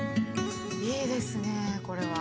いいですねこれは。